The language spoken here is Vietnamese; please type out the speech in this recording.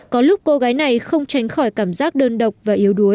có lúc cô gái này không tránh khỏi cảm giác đơn độc và yếu đuối